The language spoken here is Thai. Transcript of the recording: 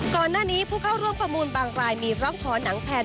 ก่อนหน้านี้ผู้เข้าร่วมประมูลบางรายมีร้องขอหนังแผน